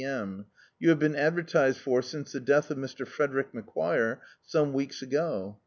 M.? You have been advertised for since the death of Mr. Frederick Macquire, some weeks ago.